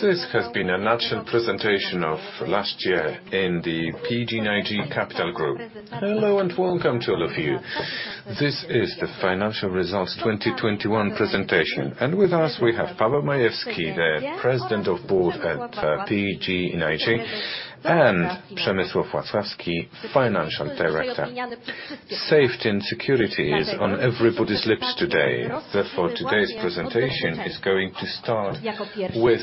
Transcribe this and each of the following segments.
This has been an actual presentation of last year in the PGNiG Capital Group. Hello and welcome to all of you. This is the financial results 2021 presentation. With us, we have Paweł Majewski, the President of Board at PGNiG, and Przemysław Wacławski, Financial Director. Safety and security is on everybody's lips today. Therefore, today's presentation is going to start with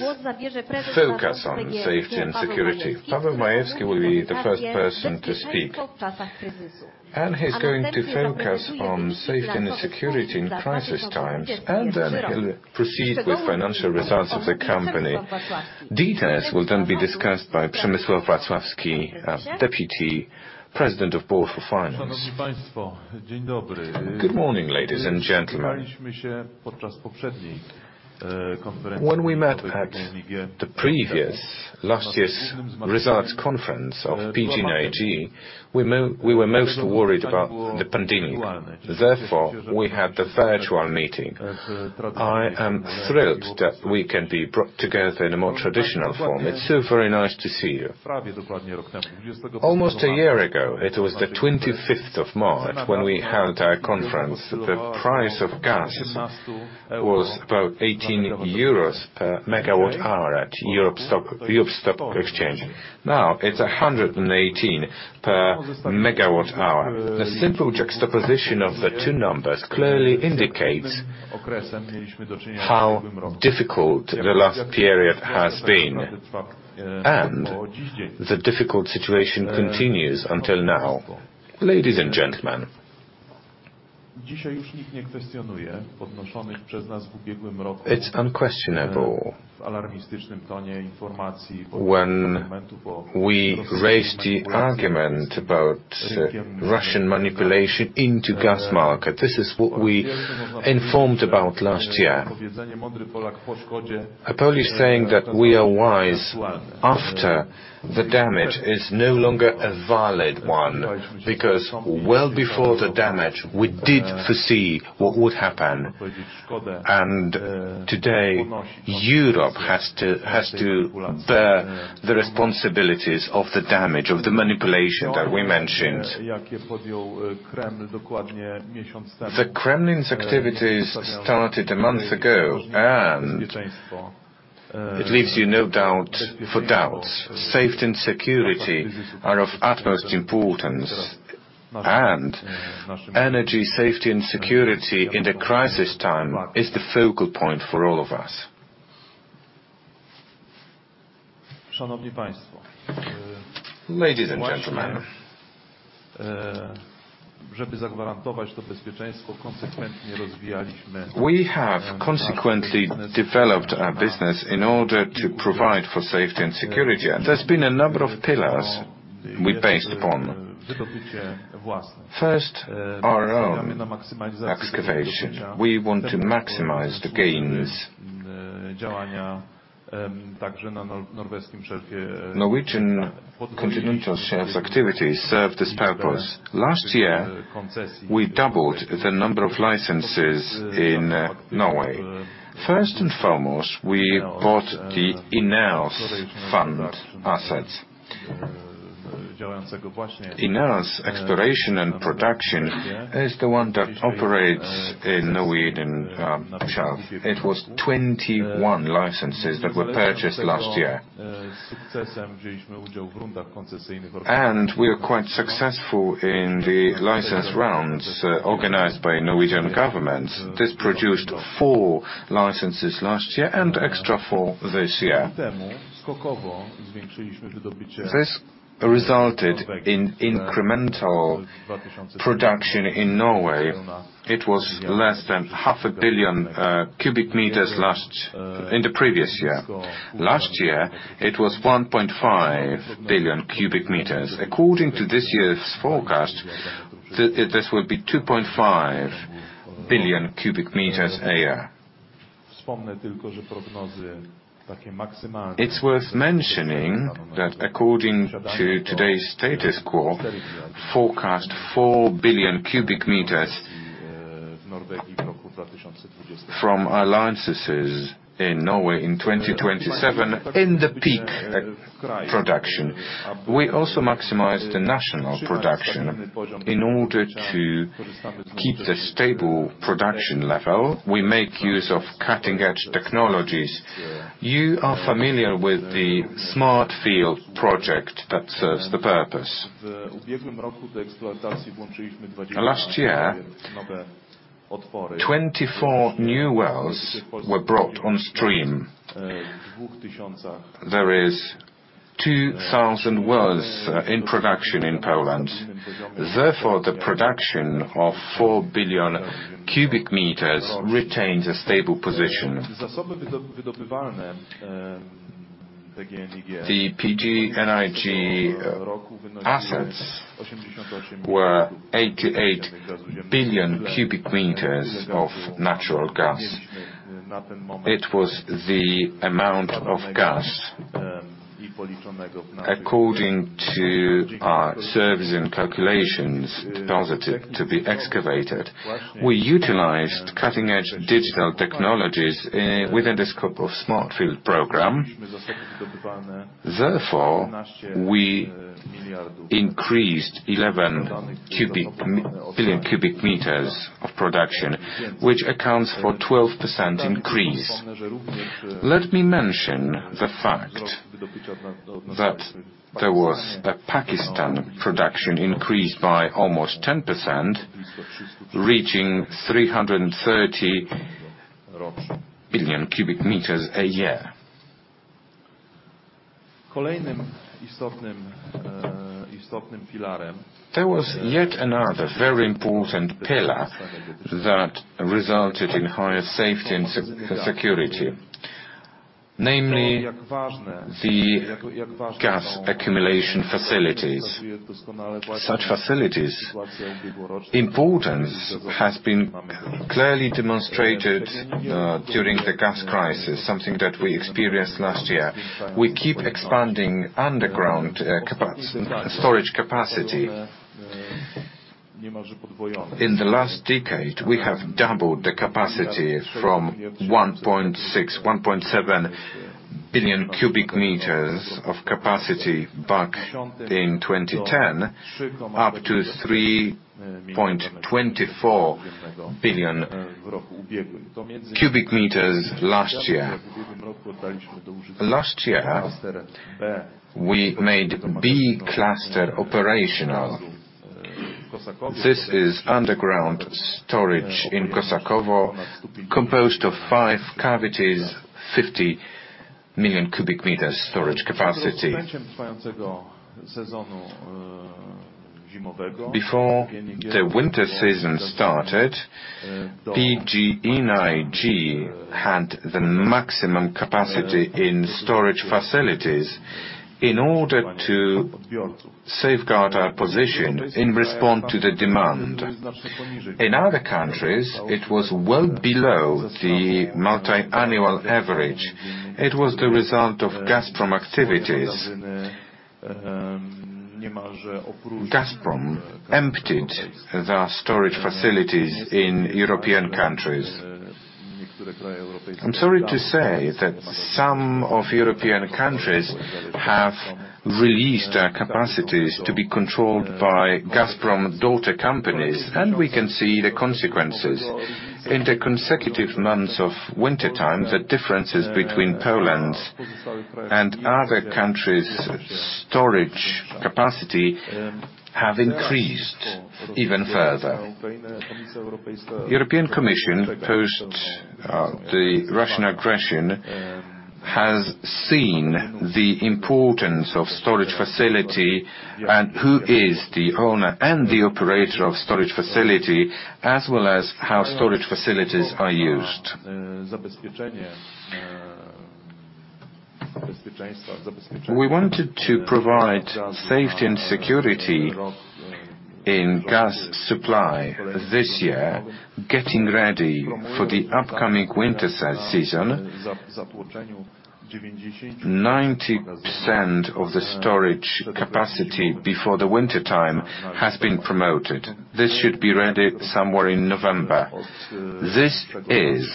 focus on safety and security. Paweł Majewski will be the first person to speak, and he's going to focus on safety and security in crisis times, and then he'll proceed with financial results of the company. Details will then be discussed by Przemysław Wacławski, Deputy President of Board for Finance. Good morning, ladies and gentlemen. When we met at the previous, last year's results conference of PGNiG, we were most worried about the pandemic. Therefore, we had the virtual meeting. I am thrilled that we can be brought together in a more traditional form. It's so very nice to see you. Almost a year ago, it was the 25th of March when we held our conference. The price of gas was about 18 euros per MWh at the European stock exchange. Now, it's 118 per MWh. The simple juxtaposition of the two numbers clearly indicates how difficult the last period has been. The difficult situation continues until now. Ladies and gentlemen, it's unquestionable when we raised the argument about Russian manipulation in the gas market. This is what we informed about last year. A Polish saying that we are wise after the damage is no longer a valid one, because well before the damage, we did foresee what would happen. Today, Europe has to bear the responsibilities of the damage, of the manipulation that we mentioned. The Kremlin's activities started a month ago, and it leaves you no doubt. Safety and security are of utmost importance. Energy safety and security in the crisis time is the focal point for all of us. Ladies and gentlemen, we have consequently developed our business in order to provide for safety and security. There's been a number of pillars we based upon. First, our own exploration. We want to maximize the gas. Norwegian Continental Shelf activities served this purpose. Last year, we doubled the number of licenses in Norway. First and foremost, we bought the INEOS E&P assets. INEOS Exploration and Production is the one that operates in Norwegian Shelf. It was 21 licenses that were purchased last year. We are quite successful in the license rounds organized by Norwegian government. This produced four licenses last year and extra four this year. This resulted in incremental production in Norway. It was less than 0.5 Billion m³ in the previous year. Last year, it was 1.5 billion m³. According to this year's forecast, this will be 2.5 billion m³ a year. It's worth mentioning that according to today's status quo, forecast 4 billion m³ from our licenses in Norway in 2027 in the peak production. We also maximize the national production. In order to keep the stable production level, we make use of cutting-edge technologies. You are familiar with the Smart Field project that serves the purpose. Last year, 24 new wells were brought on stream. There is 2,000 wells in production in Poland. Therefore, the production of 4 billion m³ retains a stable position. The PGNiG assets were 88 billion m³ of natural gas. It was the amount of gas. According to our reserves and calculations deposits to be extracted, we utilized cutting-edge digital technologies within the scope of Smart Field program. Therefore, we increased 11 billion m³ of production, which accounts for 12% increase. Let me mention the fact that there was a global production increase by almost 10%, reaching 330 billion m³ a year. There was yet another very important pillar that resulted in higher safety and security, namely the gas accumulation facilities. Such facilities' importance has been clearly demonstrated during the gas crisis, something that we experienced last year. We keep expanding underground storage capacity. In the last decade, we have doubled the capacity from 1.6-1.7 billion m³ of capacity back in 2010 up to 3.24 billion m³ last year. Last year, we made B Cluster operational. This is underground storage in Kosakowo, composed of 5 cavities, 50 million m³ storage capacity. Before the winter season started, PGNiG had the maximum capacity in storage facilities in order to safeguard our position in response to the demand. In other countries, it was well below the multi-annual average. It was the result of Gazprom activities. Gazprom emptied their storage facilities in European countries. I'm sorry to say that some of European countries have released their capacities to be controlled by Gazprom daughter companies, and we can see the consequences. In the consecutive months of wintertime, the differences between Poland's and other countries' storage capacity have increased even further. European Commission post the Russian aggression has seen the importance of storage facility and who is the owner and the operator of storage facility, as well as how storage facilities are used. We wanted to provide safety and security in gas supply this year, getting ready for the upcoming winter season. 90% of the storage capacity before the wintertime has been promoted. This should be ready somewhere in November. This is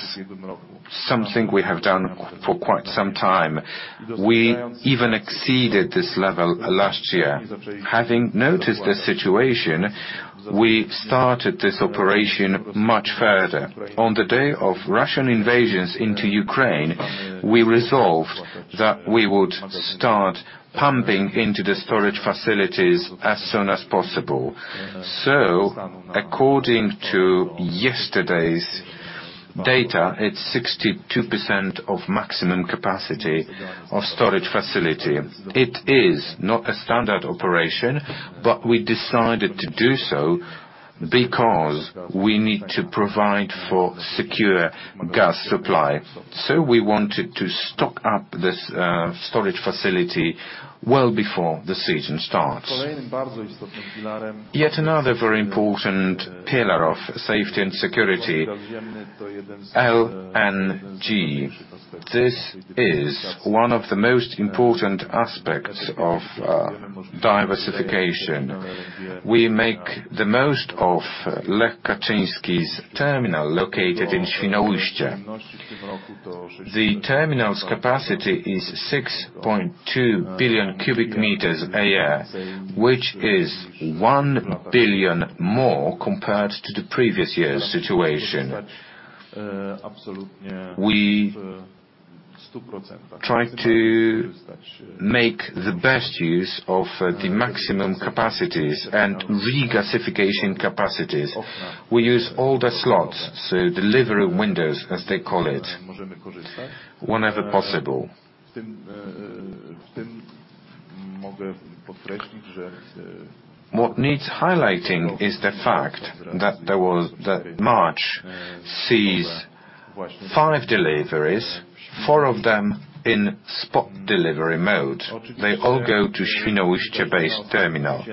something we have done for quite some time. We even exceeded this level last year. Having noticed the situation, we started this operation much further. On the day of Russian invasions into Ukraine, we resolved that we would start pumping into the storage facilities as soon as possible. According to yesterday's data, it's 62% of maximum capacity of storage facility. It is not a standard operation, but we decided to do so because we need to provide for secure gas supply. We wanted to stock up this storage facility well before the season starts. Yet another very important pillar of safety and security, LNG. This is one of the most important aspects of diversification. We make the most of Lech Kaczyński's terminal located in Świnoujście. The terminal's capacity is 6.2 billion m³ a year, which is 1 billion more compared to the previous year's situation. We try to make the best use of the maximum capacities and regasification capacities. We use all the slots, so delivery windows, as they call it, whenever possible. What needs highlighting is the fact that March sees five deliveries, four of them in spot delivery mode. They all go to Świnoujście-based terminal.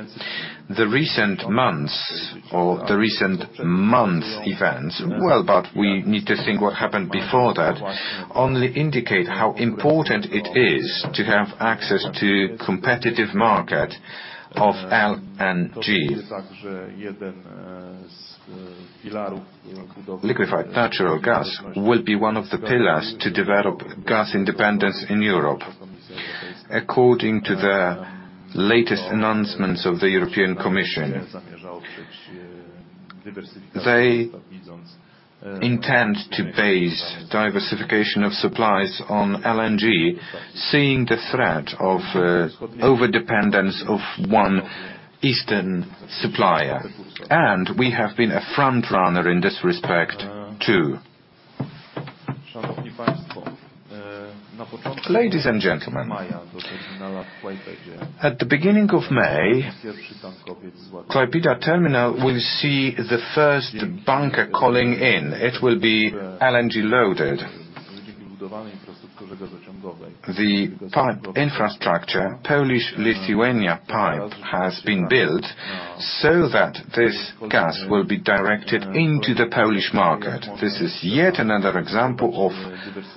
The recent months' events, well, but we need to think what happened before that, only indicate how important it is to have access to competitive market of LNGs. Liquefied natural gas will be one of the pillars to develop gas independence in Europe. According to the latest announcements of the European Commission, they intend to base diversification of supplies on LNG, seeing the threat of overdependence of one eastern supplier. We have been a frontrunner in this respect, too. Ladies and gentlemen, at the beginning of May, Klaipėda Terminal will see the first bunker calling in. It will be LNG-loaded. The pipe infrastructure, Polish-Lithuania pipe, has been built so that this gas will be directed into the Polish market. This is yet another example of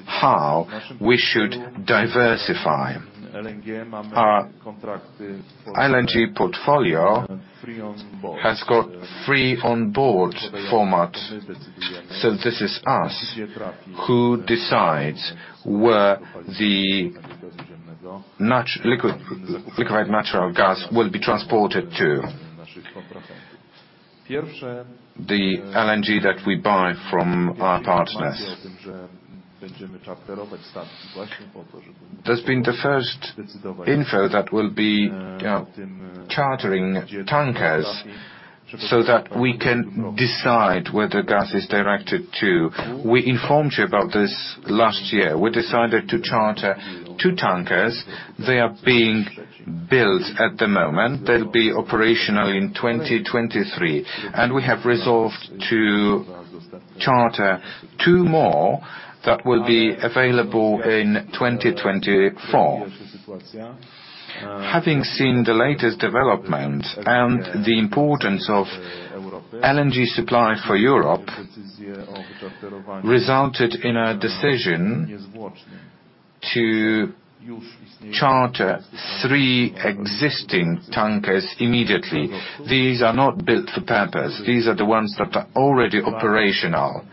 how we should diversify. Our LNG portfolio has got free on board format, so this is us who decides where the liquid, liquefied natural gas will be transported to, the LNG that we buy from our partners. There's been the first info that we'll be chartering tankers so that we can decide where the gas is directed to. We informed you about this last year. We decided to charter two tankers. They are being built at the moment. They'll be operational in 2023, and we have resolved to charter two more that will be available in 2024. Having seen the latest developments and the importance of LNG supply for Europe resulted in a decision to charter three existing tankers immediately. These are not built for purpose. These are the ones that are already operational.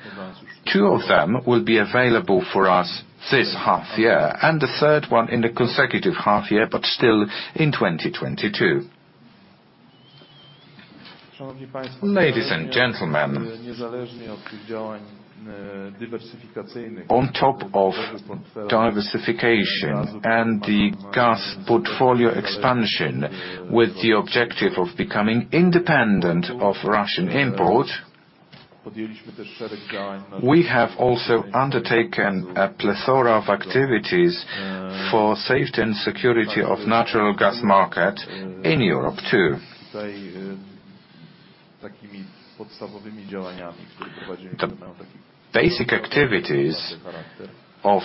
Two of them will be available for us this half year, and the third one in the consecutive half year, but still in 2022. Ladies and gentlemen, on top of diversification and the gas portfolio expansion with the objective of becoming independent of Russian import, we have also undertaken a plethora of activities for safety and security of natural gas market in Europe, too. The basic activities of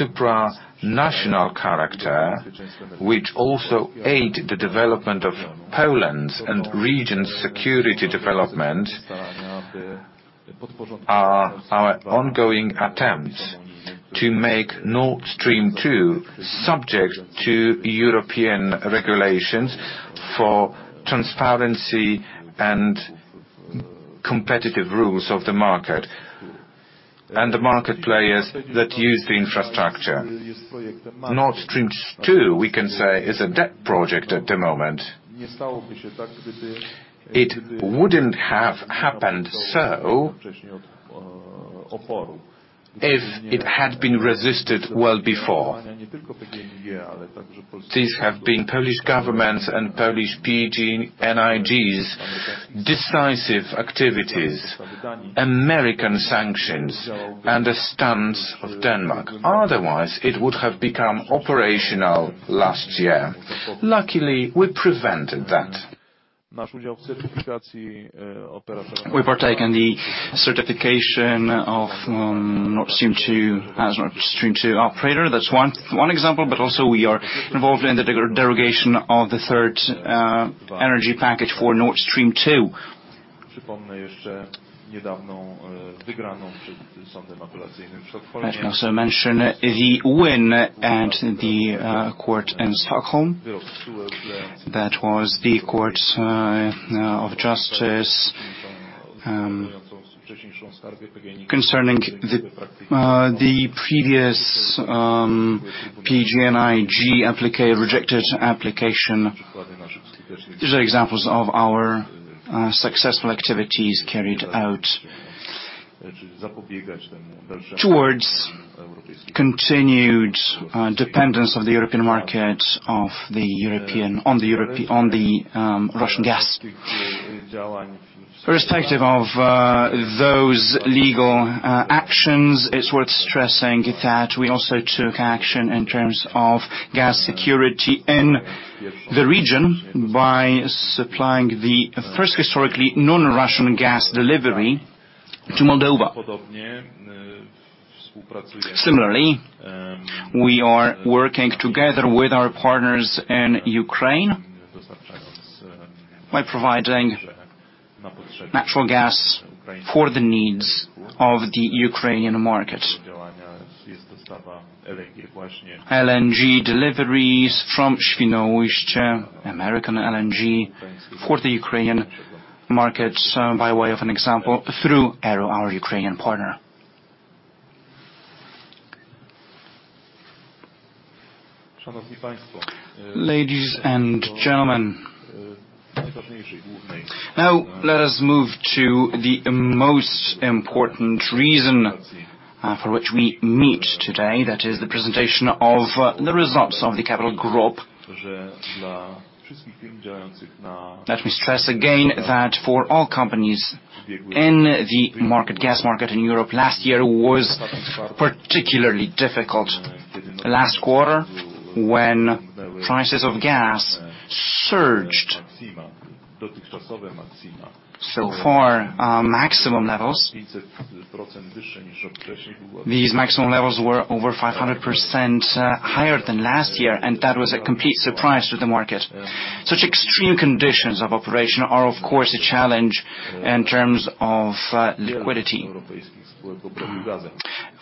supranational character, which also aid the development of Poland's and region's security development are our ongoing attempts to make Nord Stream two subject to European regulations for transparency and competitive rules of the market and the market players that use the infrastructure. Nord Stream two, we can say, is a dead project at the moment. It wouldn't have happened so if it had been resisted well before. These have been Polish governments and Polish PGNiG's decisive activities, American sanctions, and the stance of Denmark. Otherwise, it would have become operational last year. Luckily, we prevented that. We partake in the certification of Nord Stream two as Nord Stream two operator. That's one example, but also we are involved in the derogation of the Third Energy Package for Nord Stream two. Let me also mention the win at the court in Stockholm. That was the court of justice concerning the previous PGNiG rejected application. These are examples of our successful activities carried out towards continued dependence of the European market on the Russian gas. Irrespective of those legal actions, it's worth stressing that we also took action in terms of gas security in the region by supplying the first historically non-Russian gas delivery to Moldova. Similarly, we are working together with our partners in Ukraine by providing natural gas for the needs of the Ukrainian market. LNG deliveries from Świnoujście, American LNG, for the Ukrainian market, by way of an example, through ERU, our Ukrainian partner. Ladies and gentlemen, now let us move to the most important reason for which we meet today, that is the presentation of the results of the capital group. Let me stress again that for all companies in the market, gas market in Europe, last year was particularly difficult. Last quarter, when prices of gas surged to so-far maximum levels. These maximum levels were over 500% higher than last year, and that was a complete surprise to the market. Such extreme conditions of operation are, of course, a challenge in terms of liquidity.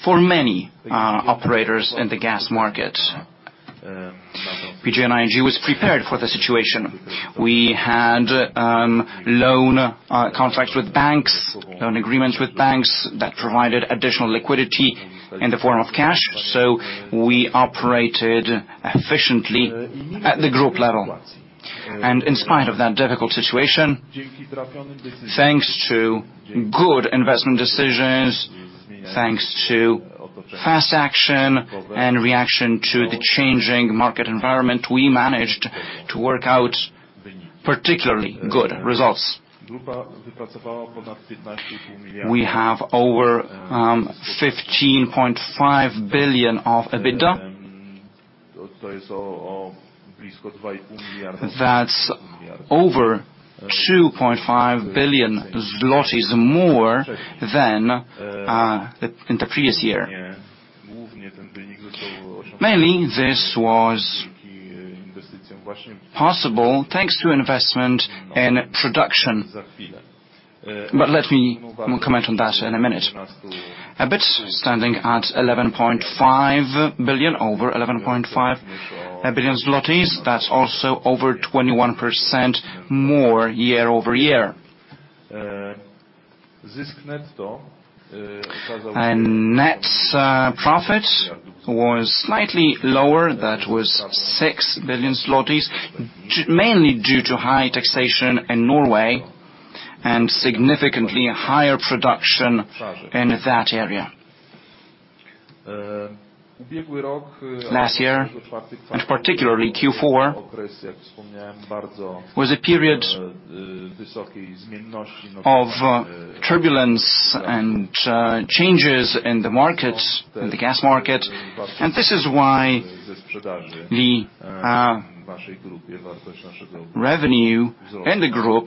For many operators in the gas market, PGNiG was prepared for the situation. We had loan contracts with banks, loan agreements with banks that provided additional liquidity in the form of cash. We operated efficiently at the group level. In spite of that difficult situation, thanks to good investment decisions, thanks to fast action and reaction to the changing market environment, we managed to work out particularly good results. We have over 15.5 billion of EBITDA. That's over 2.5 billion zlotys more than in the previous year. Mainly this was possible thanks to investment in production. Let me. We'll comment on that in a minute. EBIT standing at 11.5 billion, over 11.5 billion zlotys. That's also over 21% more year-over-year. Net profit was slightly lower. That was 6 billion zlotys, mainly due to high taxation in Norway and significantly higher production in that area. Last year, and particularly Q4, was a period of turbulence and changes in the market, in the gas market, and this is why the revenue in the group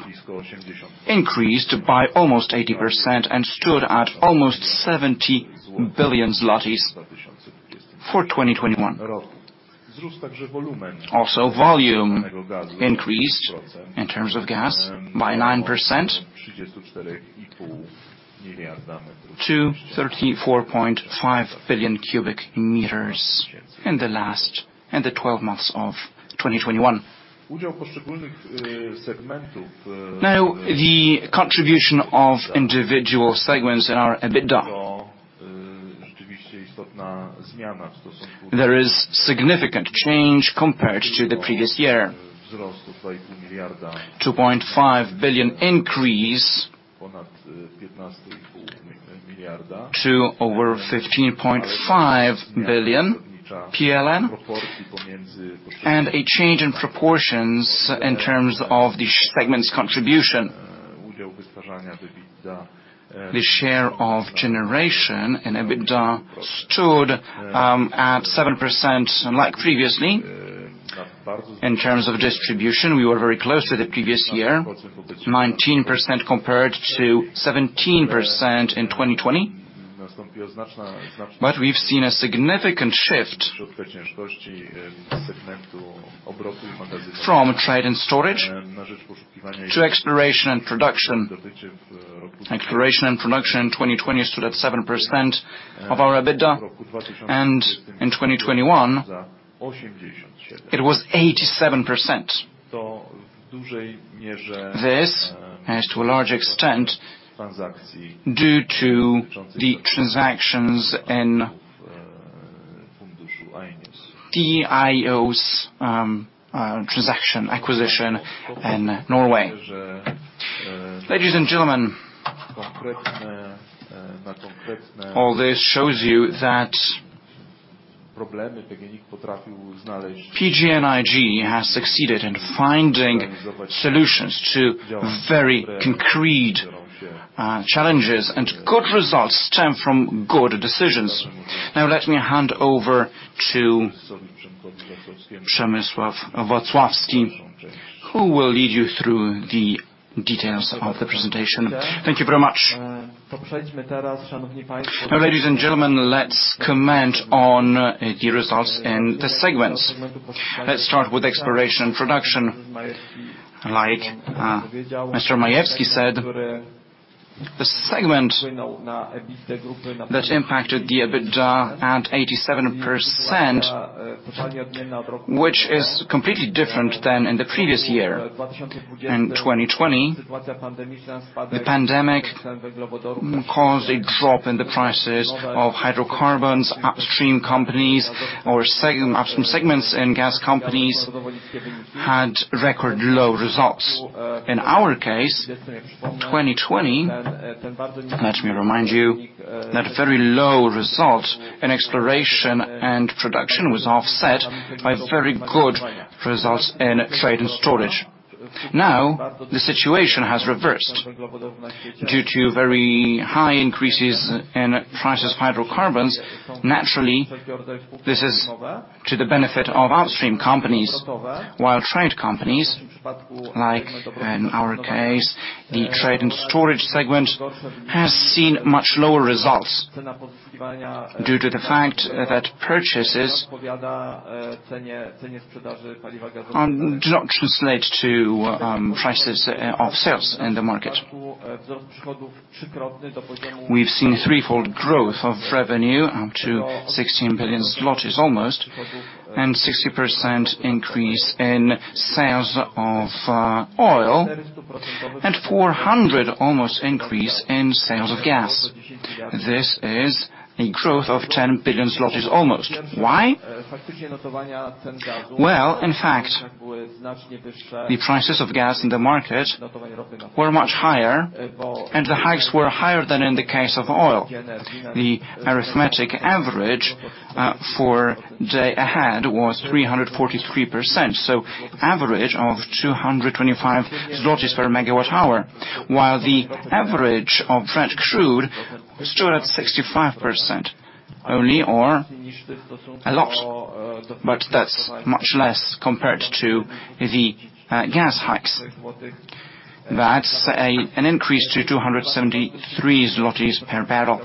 increased by almost 80% and stood at almost 70 billion zlotys for 2021. Also, volume increased in terms of gas by 9% to 34.5 billion m³ in the last twelve months of 2021. Now, the contribution of individual segments are a bit down. There is significant change compared to the previous year. 2.5 billion increase to over 15.5 billion PLN, and a change in proportions in terms of the segment's contribution. The share of generation in EBITDA stood at 7% unlike previously. In terms of Distribution, we were very close to the previous year, 19% compared to 17% in 2020. We've seen a significant shift from Trade and Storage to Exploration and Production. Exploration and Production in 2020 stood at 7% of our EBITDA, and in 2021, it was 87%. This is to a large extent due to the transactions in the INEOS transaction acquisition in Norway. Ladies and gentlemen, all this shows you that PGNiG has succeeded in finding solutions to very concrete challenges, and good results stem from good decisions. Now let me hand over to Przemysław Wacławski, who will lead you through the details of the presentation. Thank you very much. Now, ladies and gentlemen, let's comment on the results in the segments. Let's start with Exploration and Production. Like Mr. Majewski said the segment that impacted the EBITDA by 87%, which is completely different than in the previous year. In 2020, the pandemic caused a drop in the prices of hydrocarbons. Upstream companies or the upstream segments and gas companies had record low results. In our case, 2020, let me remind you that a very low result in exploration and production was offset by very good results in trade and storage. Now, the situation has reversed. Due to very high increases in prices of hydrocarbons, naturally, this is to the benefit of upstream companies, while trade companies, like in our case, the trade and storage segment, has seen much lower results due to the fact that purchases do not translate to prices of sales in the market. We've seen threefold growth of revenue up to almost 16 billion zloty, and 60% increase in sales of oil, and almost 400% increase in sales of gas. This is a growth of almost 10 billion zlotys. Why? Well, in fact, the prices of gas in the market were much higher, and the hikes were higher than in the case of oil. The arithmetic average for day-ahead was 343%, so average of 225 zlotys per MWh, while the average of Brent Crude stood at 65% only or a lot. That's much less compared to the gas hikes. That's an increase to 273 zlotys per barrel.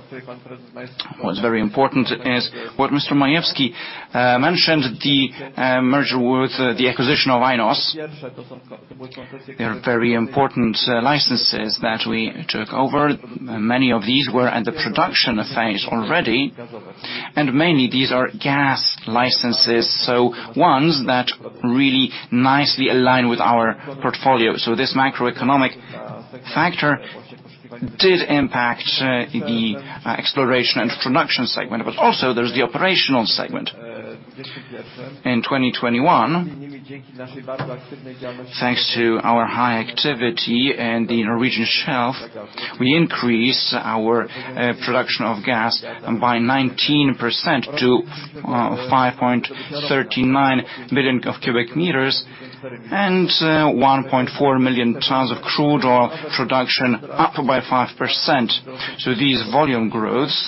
What's very important is what Mr. Majewski mentioned, the merger with the acquisition of INEOS. They are very important licenses that we took over. Many of these were at the production phase already. Mainly these are gas licenses, so ones that really nicely align with our portfolio. This macroeconomic factor did impact the exploration and production segment. Also, there's the operational segment. In 2021, thanks to our high activity in the Norwegian shelf, we increased our production of gas by 19% to 5.39 billion m³ and 1.4 million tons of crude oil production up by 5%. These volume growths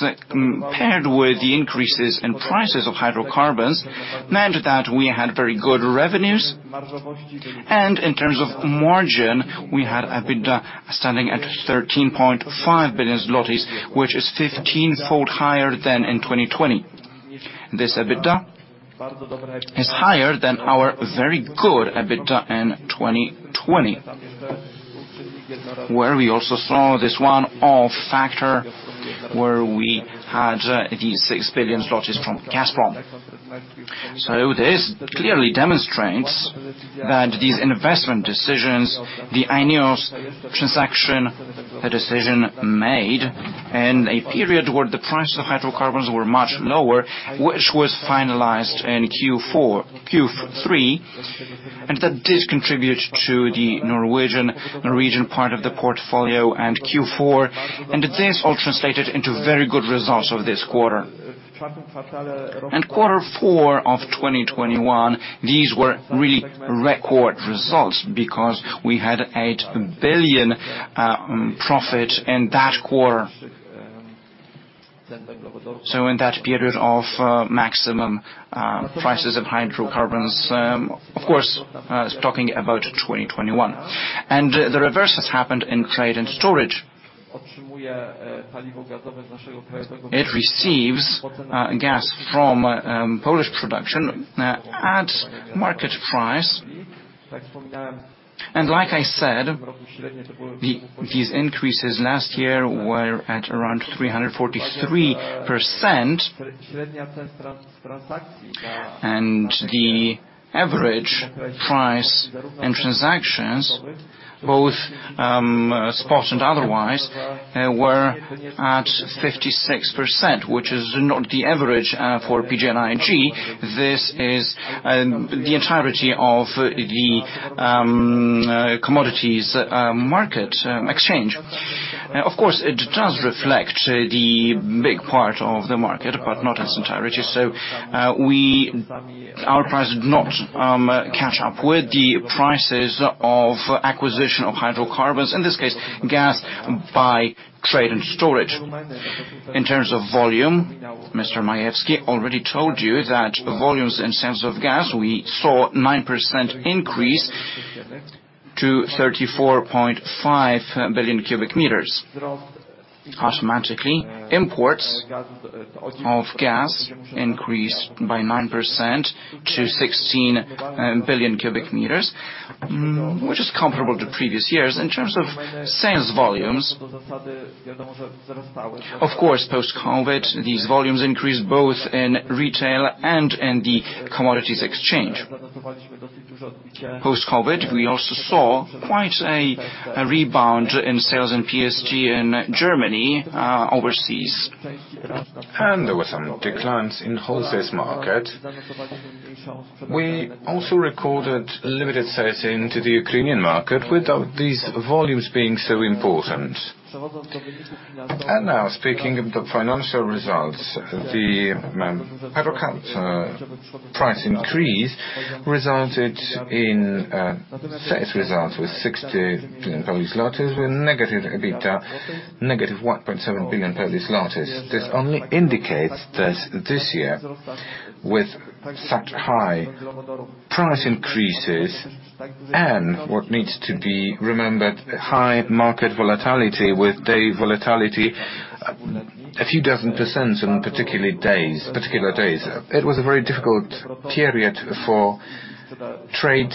paired with the increases in prices of hydrocarbons meant that we had very good revenues. In terms of margin, we had EBITDA standing at 13.5 billion zlotys, which is fifteen-fold higher than in 2020. This EBITDA is higher than our very good EBITDA in 2020, where we also saw this one-off factor where we had 6 billion from Gazprom. This clearly demonstrates that these investment decisions, the INEOS transaction, a decision made in a period where the price of hydrocarbons were much lower, which was finalized in Q3, and that this contributes to the Norwegian part of the portfolio and Q4, and this all translated into very good results of this quarter. In Q4 2021, these were really record results because we had 8 billion profit in that quarter, so in that period of maximum prices of hydrocarbons, of course, talking about 2021. The reverse has happened in trade and storage. It receives gas from Polish production at market price. Like I said, these increases last year were at around 343%. The average price in transactions, both spot and otherwise, were at 56%, which is not the average for PGNiG. This is the entirety of the commodities market exchange. Of course, it does reflect the big part of the market, but not its entirety. Our price did not catch up with the prices of acquisition of hydrocarbons, in this case, gas by trade and storage. In terms of volume, Mr. Majewski already told you that volumes in sales of gas, we saw 9% increase. Total 34.5 billion m³. Our imports of gas increased by 9% to 16 billion m³, which is comparable to previous years. In terms of sales volumes, of course, post-COVID these volumes increased both in retail and in the commodities exchange. Post-COVID, we also saw quite a rebound in sales in PST in Germany, overseas. There were some declines in wholesale market. We also recorded limited sales into the Ukrainian market without these volumes being so important. Now speaking of the financial results, the hydrocarbon price increase resulted in sales results with 60 billion with negative EBITDA, -1.7 billion. This only indicates that this year with such high price increases and what needs to be remembered, high market volatility with daily volatility, a few dozen percent on particular days. It was a very difficult period for trade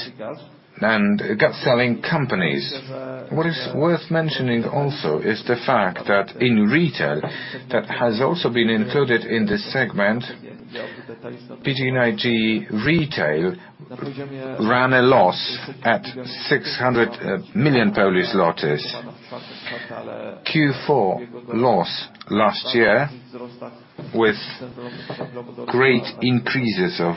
and gas selling companies. What is worth mentioning also is the fact that in retail, that has also been included in this segment, PGNiG retail ran a loss at 600 million. Q4 loss last year with great increases of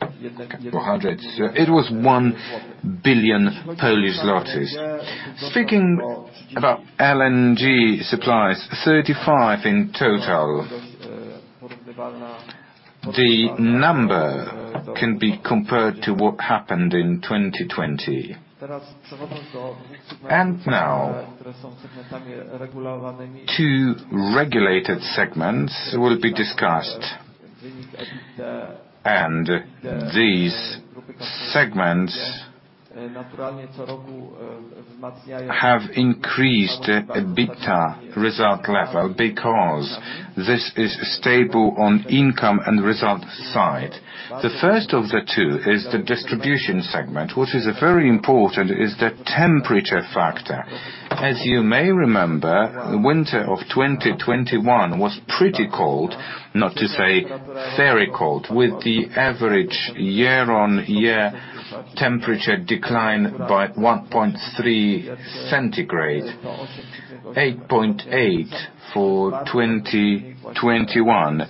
400. It was 1 billion. Speaking about LNG supplies, 35 in total. The number can be compared to what happened in 2020. Now, two regulated segments will be discussed. These segments have increased EBITDA result level because this is stable on income and result side. The first of the two is the distribution segment. What is very important is the temperature factor. As you may remember, the winter of 2021 was pretty cold, not to say very cold, with the average year-on-year temperature decline by 1.3 degrees centigrade, 8.8 for 2021.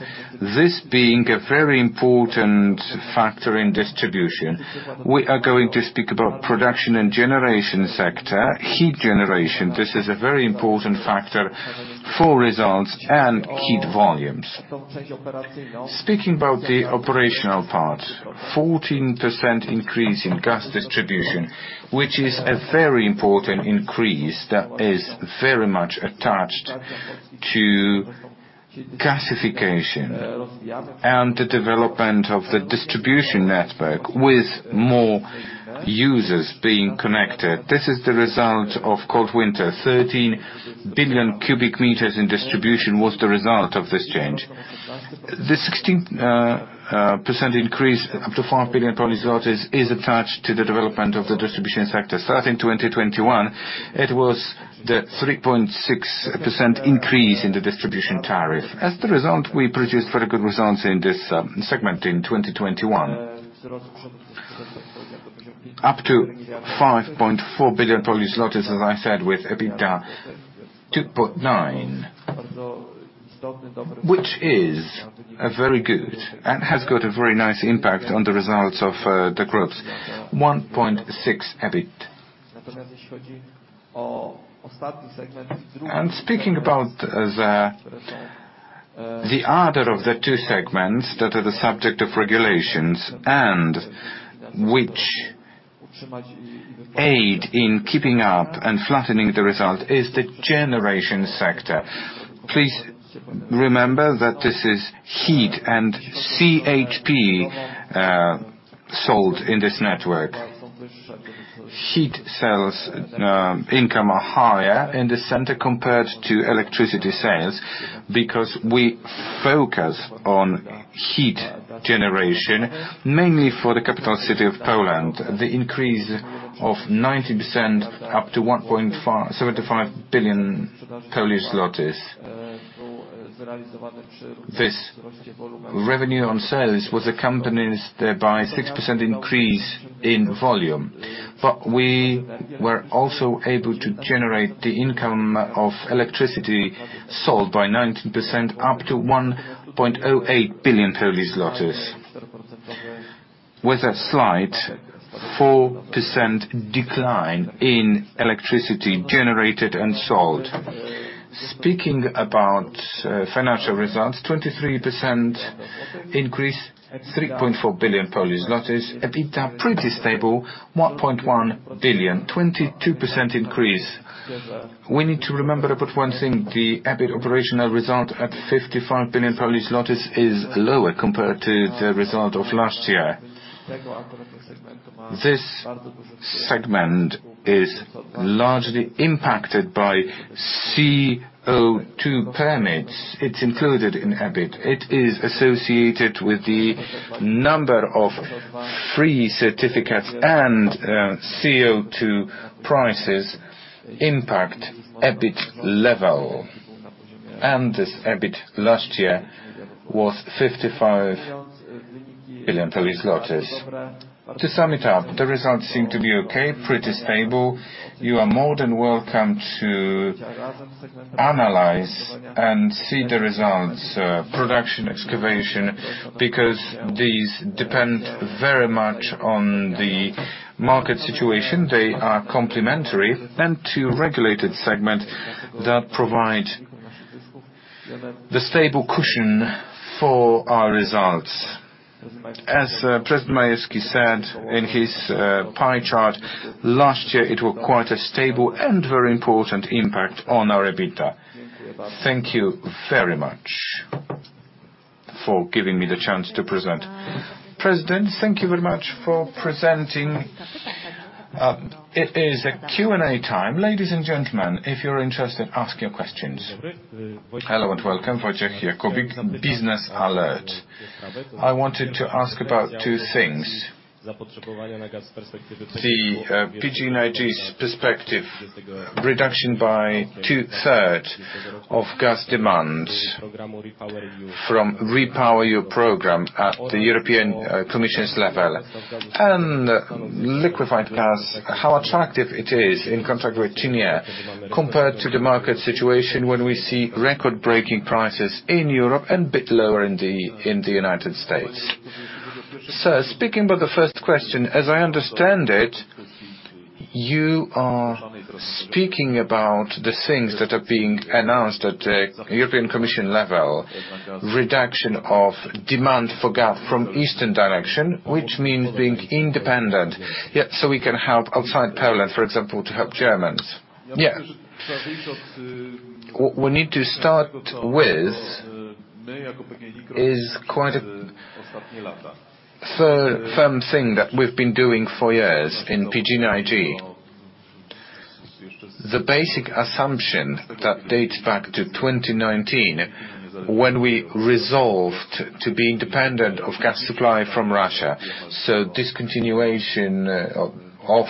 This being a very important factor in distribution. We are going to speak about production and generation sector, heat generation. This is a very important factor for results and heat volumes. Speaking about the operational part, 14% increase in gas distribution, which is a very important increase that is very much attached to gasification and the development of the distribution network with more users being connected. This is the result of cold winter. 13 billion m³ in distribution was the result of this change. The 16% increase, up to 5 billion, is attached to the development of the distribution sector. Starting 2021, it was the 3.6% increase in the distribution tariff. As the result, we produced very good results in this segment in 2021. Up to 5.4 billion, as I said, with EBITDA 2.9 billion, which is very good and has got a very nice impact on the results of the Group's, 1.6 billion EBIT. Speaking about the other of the two segments that are the subject of regulations and which aid in keeping up and flattening the result is the generation sector. Please remember that this is heat and CHP sold in this network. Heat sales income are higher in the center compared to electricity sales because we focus on heat generation, mainly for the capital city of Poland. The increase of 90% up to 1.75 billion. This revenue on sales was accompanied by 6% increase in volume. We were also able to generate the income of electricity sold by 19% up to 1.08 billion, with a slight 4% decline in electricity generated and sold. Speaking about financial results, 23% increase, 3.4 billion Polish zlotys. EBITDA, pretty stable, 1.1 billion, 22% increase. We need to remember about one thing, the EBIT operational result at 55 billion is lower compared to the result of last year. This segment is largely impacted by CO2 permits. It's included in EBIT. It is associated with the number of free certificates and CO2 prices impact EBIT level. This EBIT last year was 55 billion. To sum it up, the results seem to be okay, pretty stable. You are more than welcome to analyze and see the results of production and exploration, because these depend very much on the market situation. They are complementary to the regulated segment that provide the stable cushion for our results. As President Paweł Majewski said in his pie chart, last year it was quite a stable and very important impact on our EBITDA. Thank you very much for giving me the chance to present. President, thank you very much for presenting. It is the Q&A time. Ladies and gentlemen, if you're interested, ask your questions. Hello and welcome, Wojciech Jakóbik, BiznesAlert. I wanted to ask about two things. The PGNiG's perspective reduction by two-thirds of gas demand from REPowerEU program at the European Commission level and liquefied gas, how attractive it is in contrast with Yamal compared to the market situation when we see record-breaking prices in Europe and bit lower in the United States. Sir, speaking about the first question, as I understand it, you are speaking about the things that are being announced at the European Commission level, reduction of demand for gas from eastern direction, which means being independent. Yes, so we can help outside Poland, for example, to help Germans. What we need to start with is quite a firm thing that we've been doing for years in PGNiG. The basic assumption that dates back to 2019 when we resolved to be independent of gas supply from Russia. Discontinuation of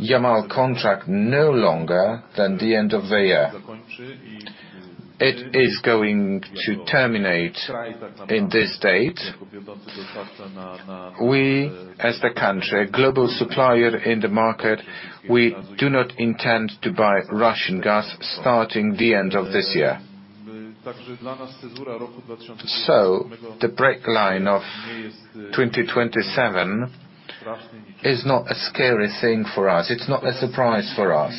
Yamal Contract no later than the end of the year. It is going to terminate on that date. We, as the country, a global supplier in the market, we do not intend to buy Russian gas starting from the end of this year. The deadline of 2027 is not a scary thing for us. It's not a surprise for us.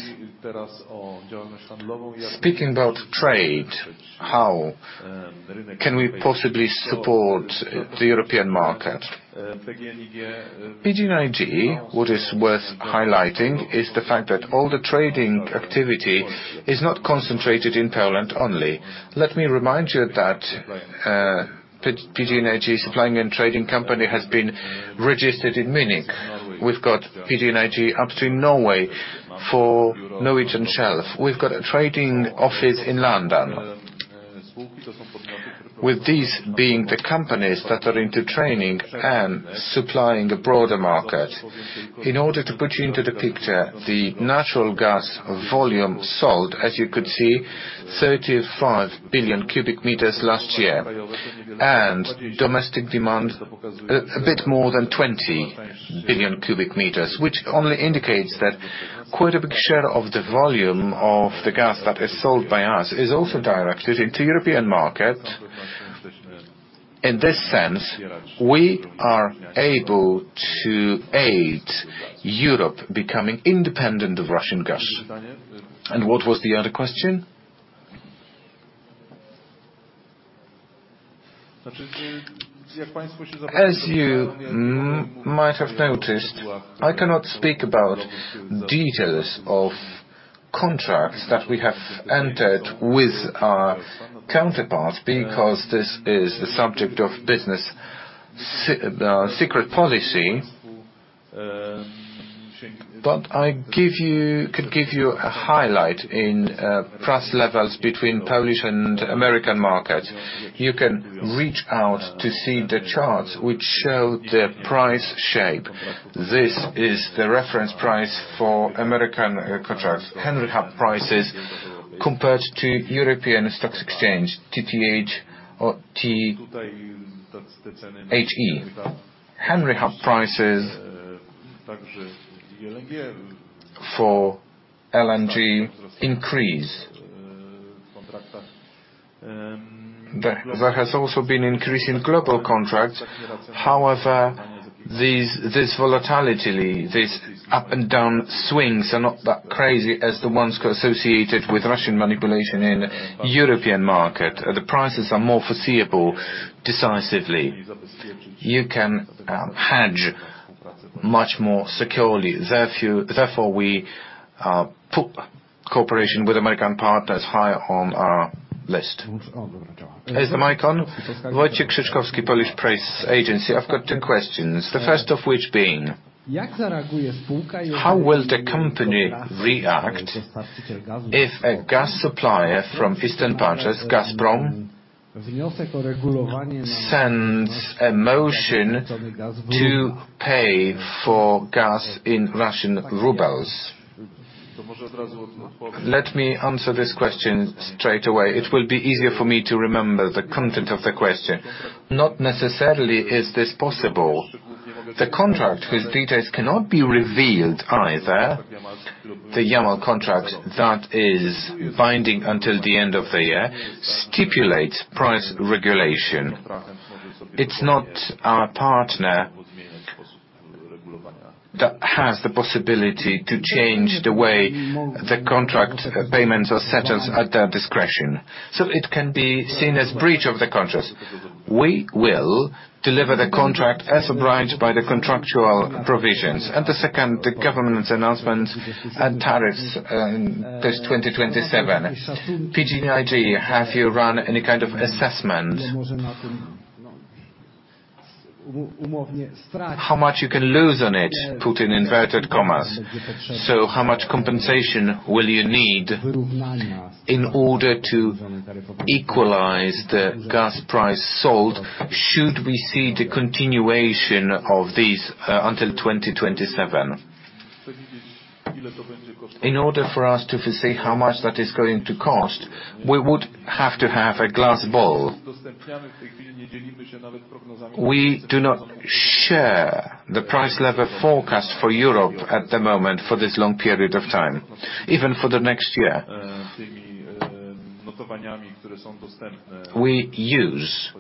Speaking about trade, how can we possibly support the European market? PGNiG, what is worth highlighting is the fact that all the trading activity is not concentrated in Poland only. Let me remind you that PGNiG Supply and Trading GmbH has been registered in Munich. We've got PGNiG Upstream Norway for Norwegian Shelf. We've got a trading office in London. With these being the companies that are into trading and supplying the broader market. In order to put you into the picture, the natural gas volume sold, as you could see, 35 billion m³ last year, and domestic demand a bit more than 20 billion m³, which only indicates that quite a big share of the volume of the gas that is sold by us is also directed into European market. In this sense, we are able to aid Europe becoming independent of Russian gas. What was the other question? As you might have noticed, I cannot speak about details of contracts that we have entered with our counterparts because this is the subject of business secrecy. But I could give you a highlight in price levels between Polish and American markets. You can reach out to see the charts which show the price shape. This is the reference price for American contracts. Henry Hub prices compared to European stock exchange, TTF or THE. Henry Hub prices for LNG increase. There has also been increase in global contracts. However, this volatility, these up and down swings are not that crazy as the ones associated with Russian manipulation in European market. The prices are more foreseeable decisively. You can hedge much more securely. Therefore, we put cooperation with American partners high on our list. Is the mic on? Wojciech Krzyszkowski, Polish Press Agency. I've got two questions, the first of which being: how will the company react if a gas supplier from eastern partners, Gazprom, sends a motion to pay for gas in Russian rubles? Let me answer this question straight away. It will be easier for me to remember the content of the question. Not necessarily is this possible. The contract, whose details cannot be revealed either, the Yamal Contract that is binding until the end of the year stipulates price regulation. It's not our partner that has the possibility to change the way the contract payments are settled at their discretion, so it can be seen as breach of the contract. We will deliver the contract as obliged by the contractual provisions. The second, the government's announcement and tariffs post-2027. PGNiG, have you run any kind of assessment how much you can lose on it, put in inverted commas? How much compensation will you need in order to equalize the gas price sold should we see the continuation of this until 2027? In order for us to foresee how much that is going to cost, we would have to have a glass ball. We do not share the price level forecast for Europe at the moment for this long period of time, even for the next year. We use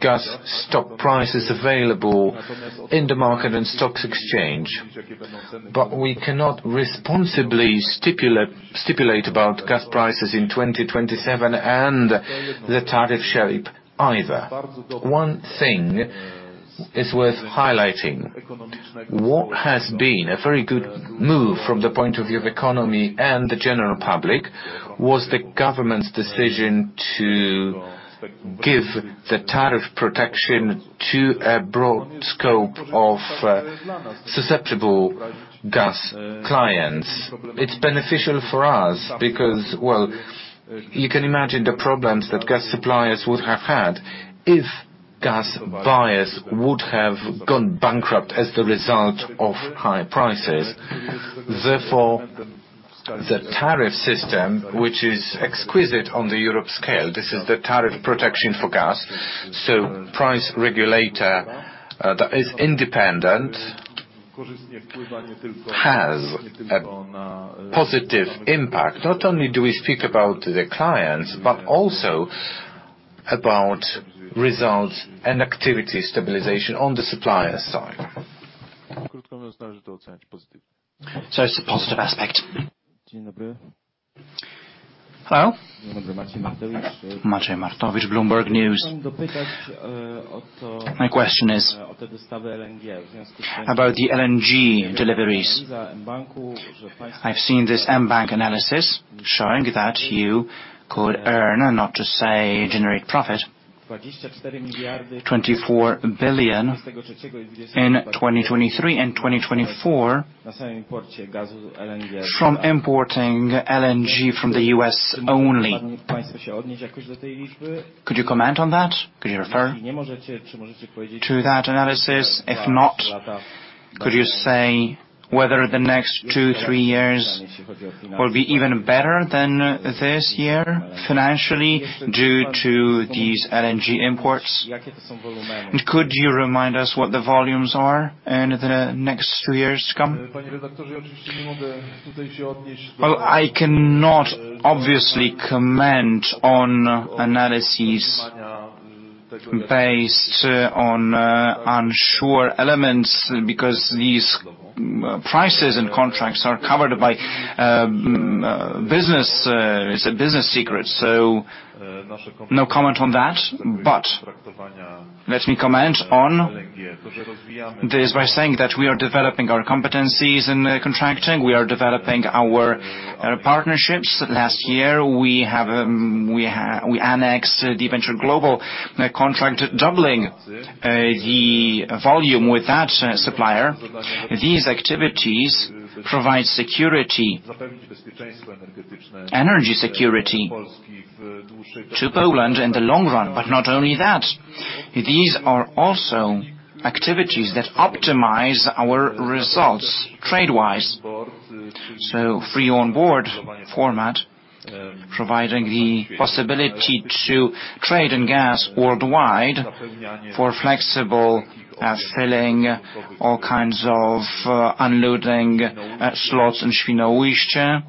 gas spot prices available in the market and stock exchange, but we cannot responsibly stipulate about gas prices in 2027 and the tariff shape either. One thing is worth highlighting. What has been a very good move from the point of view of economy and the general public was the government's decision to give the tariff protection to a broad scope of susceptible gas clients. It's beneficial for us because, well, you can imagine the problems that gas suppliers would have had if gas buyers would have gone bankrupt as the result of high prices. Therefore, the tariff system, which is exquisite on the European scale, this is the tariff protection for gas, so price regulator, that is independent, has a positive impact. Not only do we speak about the clients, but also about results and activity stabilization on the supplier side. It's a positive aspect. Hello. Maciej Martewicz, Bloomberg News. My question is about the LNG deliveries. I've seen this mBank analysis showing that you could earn, not to say generate profit, 24 billion in 2023 and 2024 from importing LNG from the U.S. only. Could you comment on that? Could you refer to that analysis? If not, could you say whether the next two, three years will be even better than this year financially due to these LNG imports? Could you remind us what the volumes are in the next two years to come? Well, I cannot obviously comment on analyses based on unsure elements because these prices and contracts are covered by business, it's a business secret. No comment on that. Let me comment on this by saying that we are developing our competencies in contracting. We are developing our partnerships. Last year we annexed the Venture Global contract, doubling the volume with that supplier. These activities provide security, energy security to Poland in the long run, but not only that. These are also activities that optimize our results trade-wise. Free on board format providing the possibility to trade in gas worldwide for flexible selling all kinds of unloading slots in Świnoujście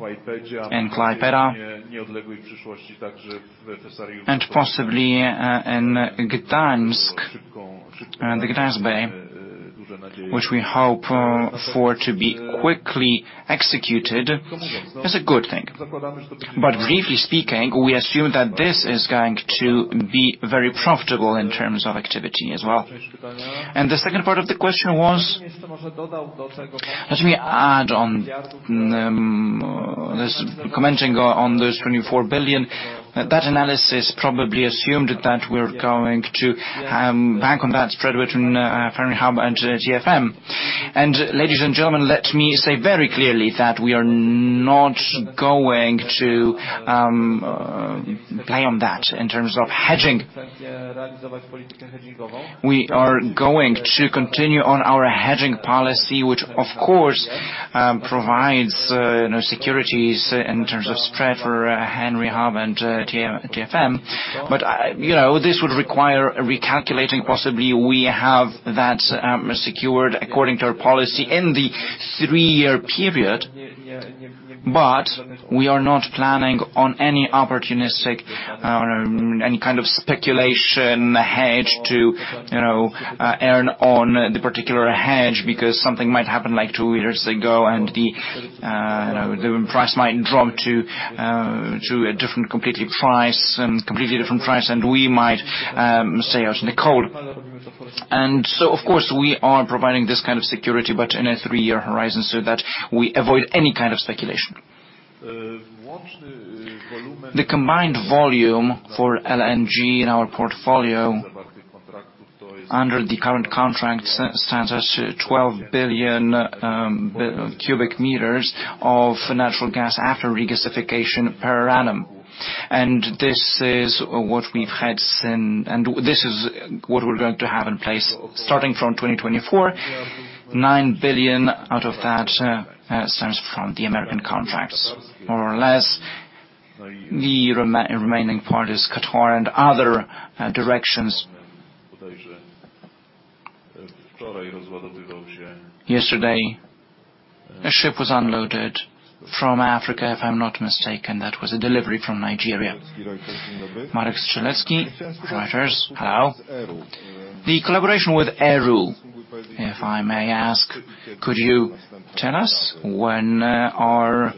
and Klaipėda, and possibly in Gdańsk. The FSRU Gdańsk, which we hope for to be quickly executed is a good thing. Briefly speaking, we assume that this is going to be very profitable in terms of activity as well. The second part of the question was? Let me add on this commenting on those 24 billion. That analysis probably assumed that we're going to bank on that spread between Henry Hub and TTF. Ladies and gentlemen, let me say very clearly that we are not going to play on that in terms of hedging. We are going to continue on our hedging policy, which of course provides you know security in terms of spread for Henry Hub and TTF. You know, this would require recalculating. Possibly we have that secured according to our policy in the three-year period. We are not planning on any opportunistic, any kind of speculation hedge to, you know, earn on the particular hedge because something might happen like two years ago and the, you know, the price might drop to a completely different price, and we might left out in the cold. Of course, we are providing this kind of security, but in a three-year horizon, so that we avoid any kind of speculation. The combined volume for LNG in our portfolio under the current contract stands at 12 billion m³ of natural gas after regasification per annum. This is what we've had since. This is what we're going to have in place starting from 2024, 9 billion out of that stems from the American contracts more or less. The remaining part is Qatar and other directions. Yesterday, a ship was unloaded from Africa, if I'm not mistaken. That was a delivery from Nigeria. Marek Strzelecki, Reuters. Hello. The collaboration with ERU, if I may ask, could you tell us when are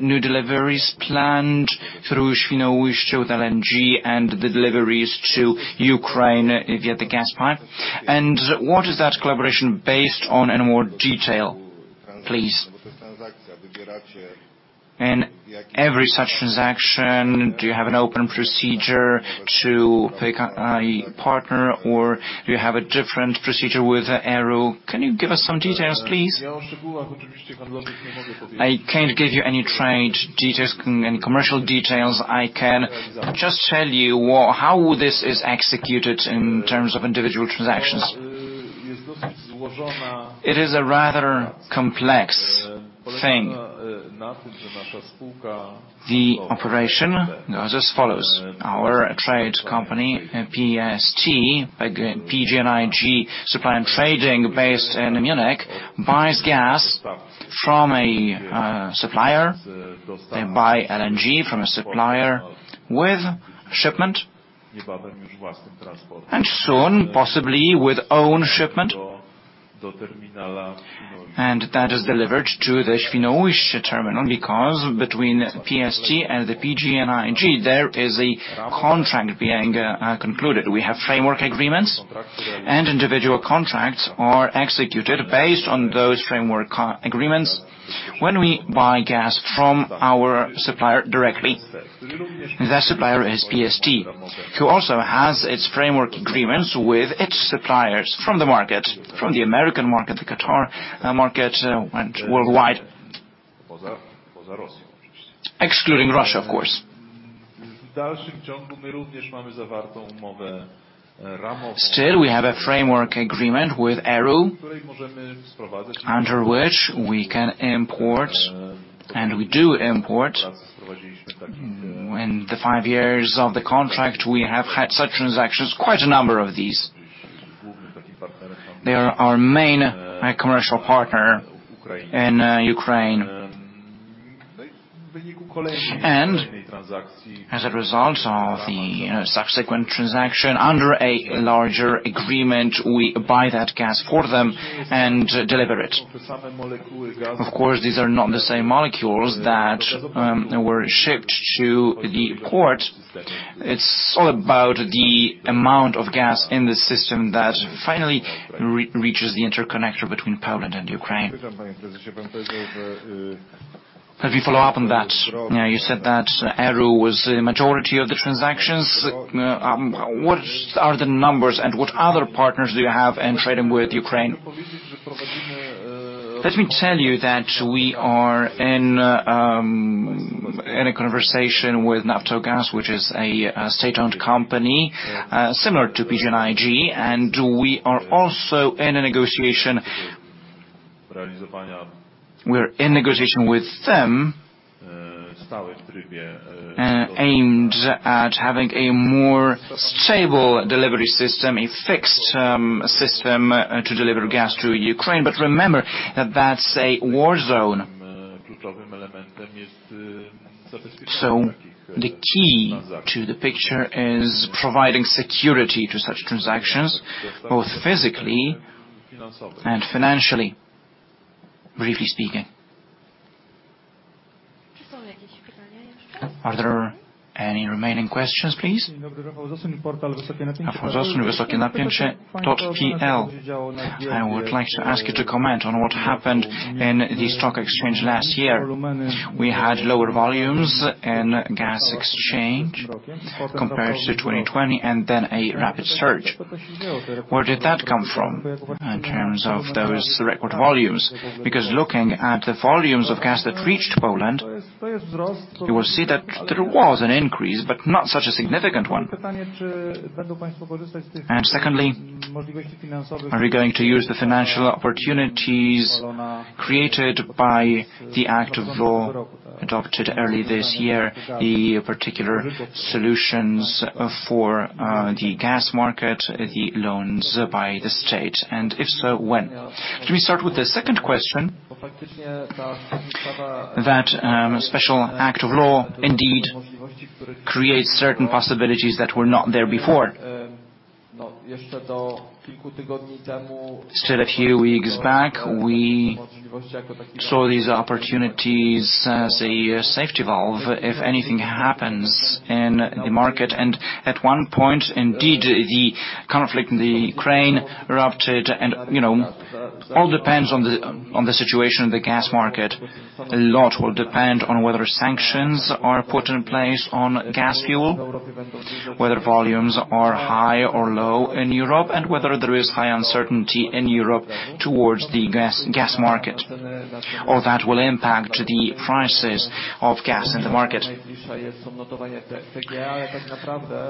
new deliveries planned through Świnoujście with LNG and the deliveries to Ukraine via the gas pipe? What is that collaboration based on in more detail, please? In every such transaction, do you have an open procedure to pick a partner, or do you have a different procedure with ERU? Can you give us some details, please? I can't give you any trade details, any commercial details. I can just tell you how this is executed in terms of individual transactions. It is a rather complex thing. The operation goes as follows: Our trade company, PST, again, PGNiG Supply and Trading based in Munich, buys gas from a supplier. They buy LNG from a supplier with shipment. Soon, possibly with own shipment. That is delivered to the Świnoujście terminal, because between PST and PGNiG, there is a contract being concluded. We have framework agreements, and individual contracts are executed based on those framework agreements. When we buy gas from our supplier directly, that supplier is PST, who also has its framework agreements with its suppliers from the market, from the American market, the Qatar market, and worldwide. Excluding Russia, of course. Still, we have a framework agreement with ERU, under which we can import, and we do import. In the five years of the contract, we have had such transactions, quite a number of these. They are our main commercial partner in Ukraine. As a result of the subsequent transaction under a larger agreement, we buy that gas for them and deliver it. Of course, these are not the same molecules that were shipped to the port. It's all about the amount of gas in the system that finally reaches the interconnector between Poland and Ukraine. Let me follow up on that. Now, you said that ERU was the majority of the transactions. What are the numbers and what other partners do you have in trading with Ukraine? Let me tell you that we are in a conversation with Naftogaz, which is a state-owned company similar to PGNiG, and we are also in a negotiation. We're in negotiation with them, aimed at having a more stable delivery system, a fixed system to deliver gas to Ukraine. Remember that that's a war zone. The key to the picture is providing security to such transactions, both physically and financially, briefly speaking. Are there any remaining questions, please? I would like to ask you to comment on what happened in the stock exchange last year. We had lower volumes in gas exchange compared to 2020, and then a rapid surge. Where did that come from in terms of those record volumes? Because looking at the volumes of gas that reached Poland, you will see that there was an increase, but not such a significant one. And secondly, are we going to use the financial opportunities created by the act of law adopted early this year, the particular solutions for the gas market, the loans by the state, and if so, when? Let me start with the second question. That special act of law indeed creates certain possibilities that were not there before. Still a few weeks back, we saw these opportunities as a safety valve if anything happens in the market. At one point, indeed, the conflict in Ukraine erupted and, you know, all depends on the situation in the gas market. A lot will depend on whether sanctions are put in place on gas fuel, whether volumes are high or low in Europe, and whether there is high uncertainty in Europe towards the gas market. All that will impact the prices of gas in the market.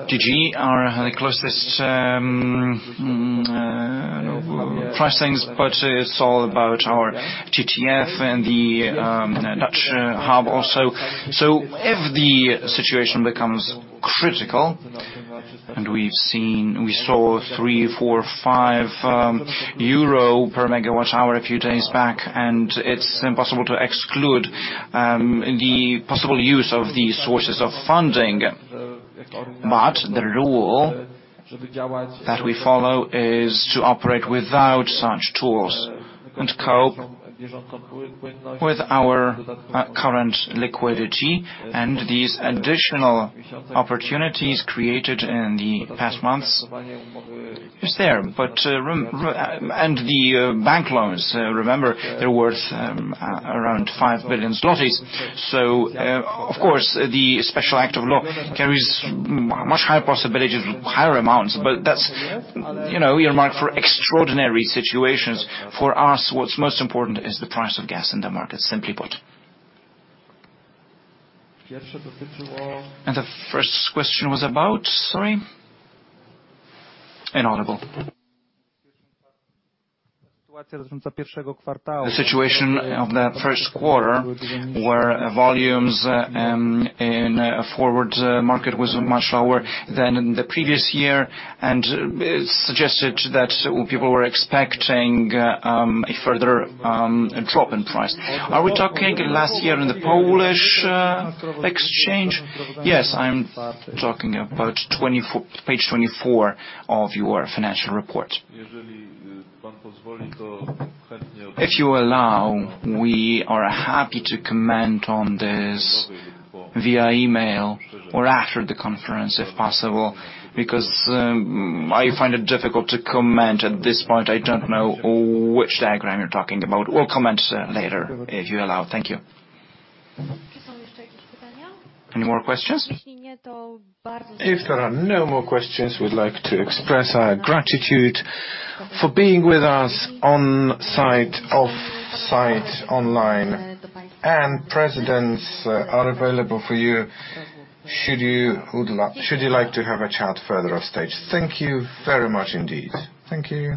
TGE, they closed this pricing, but it's all about our TTF and the Dutch hub also. If the situation becomes critical, and we saw three, four, 5 euro per MWh a few days back, and it's impossible to exclude the possible use of these sources of funding. The rule that we follow is to operate without such tools and cope with our current liquidity, and these additional opportunities created in the past months is there. And the bank loans, remember, they're worth around 5 billion zlotys. Of course, the special act of law carries much higher possibilities with higher amounts, but that's, you know, earmarked for extraordinary situations. For us, what's most important is the price of gas in the market, simply put. The first question was about? Sorry. Inaudible. The situation of the first quarter, where volumes in a forward market was much lower than in the previous year, and it suggested that people were expecting a further drop in price. Are we talking last year in the Polish exchange? Yes, I'm talking about page 24 of your financial report. If you allow, we are happy to comment on this via email or after the conference, if possible, because I find it difficult to comment at this point. I don't know which diagram you're talking about. We'll comment later, if you allow. Thank you. Any more questions? If there are no more questions, we'd like to express our gratitude for being with us on-site, off-site, online. Presidents are available for you, should you like to have a chat further offstage. Thank you very much indeed. Thank you.